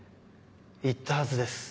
言ったはずです。